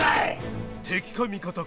敵か味方か